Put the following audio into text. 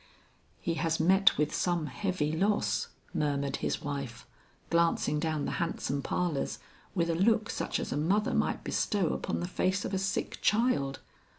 "'He has met with some heavy loss,' murmured his wife, glancing down the handsome parlors with a look such as a mother might bestow upon the face of a sick child.